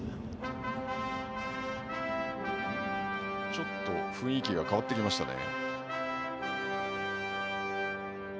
ちょっと雰囲気が変わってきましたね。